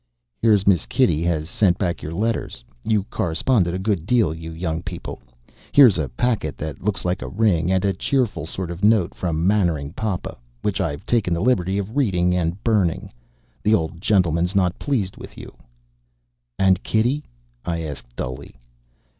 "Here's Miss Kitty has sent back your letters. You corresponded a good deal, you young people. Here's a packet that looks like a ring, and a cheerful sort of a note from Mannering Papa, which I've taken the liberty of reading and burning. The old gentleman's not pleased with you." "And Kitty?" I asked, dully.